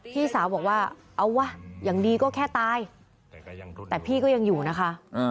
พี่สาวบอกว่าเอาวะอย่างดีก็แค่ตายแต่พี่ก็ยังอยู่นะคะ